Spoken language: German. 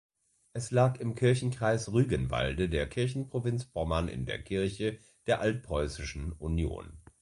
Es lag im Kirchenkreis Rügenwalde der Kirchenprovinz Pommern in der Kirche der Altpreußischen Union.